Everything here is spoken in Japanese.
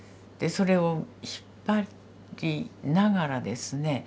それを引っ張りながらですね